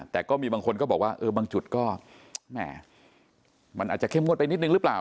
แต่ก็มีบางคนก็บอกว่าเออบางจุดก็แหม่มันอาจจะเข้มงวดไปนิดนึงหรือเปล่า